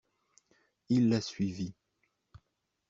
Il la suivit.